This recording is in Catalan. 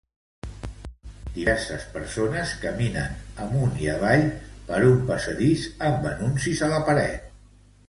Diverses persones caminen amunt i avall per un passadís amb anuncis a la paret.